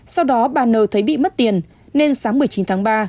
sau đó bà n thấy bị mất tiền nên sáng một mươi chín tháng ba